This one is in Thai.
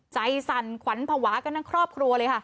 สั่นขวัญภาวะกันทั้งครอบครัวเลยค่ะ